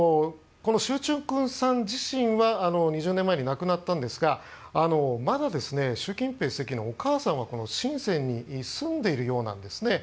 シュウ・チュウクンさん自身は２０年前に亡くなったんですがまだ習近平主席のお母さんはシンセンに住んでいるようなんですね。